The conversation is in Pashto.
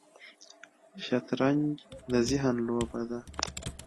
شطرنج د ذهن لوبه ده